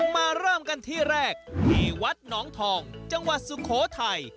มาเริ่มกันที่แรกที่วัดหนองทองจังหวัดสุโขทัย